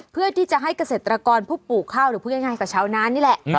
เพื่อที่จะให้เกษตรกรผู้ปลูกข้าวหรือพูดง่ายกับชาวนานนี่แหละ